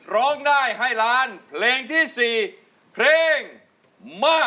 ร้องได้ให้ล้านเพลงที่๔เพลงมา